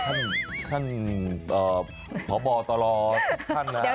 ท่านท่านเอ่อผอบอตรท่านละ